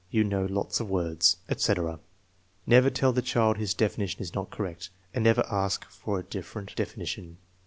You know lots of words," etc. Xever tell the child his definition is not correct, and never ask for a different definition.